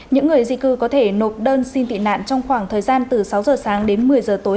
những người di cư có thể nộp đơn xin tị nạn trong khoảng thời gian từ sáu giờ sáng đến một mươi giờ tối